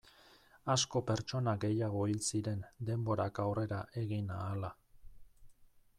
Asko pertsona gehiago hil ziren denborak aurrera egin ahala.